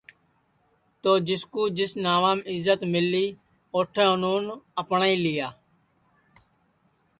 تو جس کُو جس ناوم عزت ملی اوٹھے اُنونے اپنائی لیا